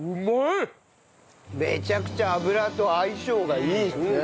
めちゃくちゃ油と相性がいいですね。